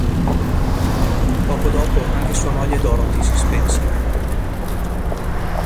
Poco dopo, anche sua moglie Dorothy si spense.